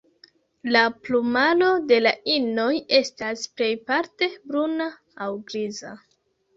La plumaro de la inoj estas plejparte bruna aŭ griza.